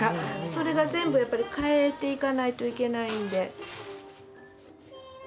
それが全部やっぱり変えていかないといけないんで。